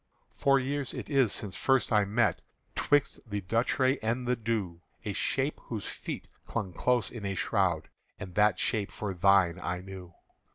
"Four years it is since first I met, 'Twixt the Duchray and the Dhu, A shape whose feet clung close in a shroud, And that shape for thine I knew.